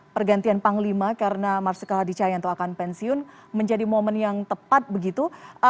pergantian panglima karena marsika radicaya yang tawarkan pensiun menjadi momen yang tepat begitu